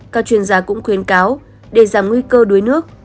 các chuyên gia cũng khuyến cáo để giảm nguy cơ đuối nước